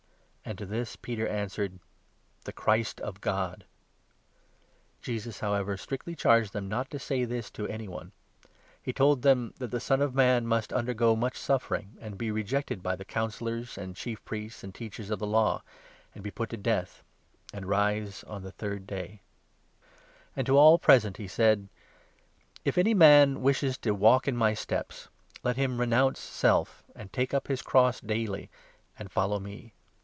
" And to this Peter answered : "The Christ of God." Jesus, however, strictly charged them not to say this to any jesus one > 'ie t°ld them that the Son of Man must foretells his undergo much suffering, and be rejected by the Death. Councillors, and Chief Priests, and Teachers of the Law, and be put to death, and rise on the third A can ^av ^nc* to a'l Present he said : to renounce " If any man wishes to walk in my steps, let 8elf him renounce self, and take up his cross daily, and follow me.